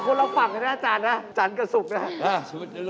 คุณเราฝังกันด้านอาจารย์นะอาจารย์กระสุกนะ